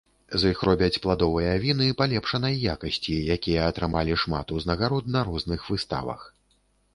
З іх робяць пладовыя віны палепшанай якасці, якія атрымалі шмат узнагарод на розных выставах.